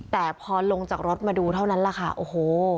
แต่พอลงจากรถมาดูเท่านั้นแหละค่ะโอ้โห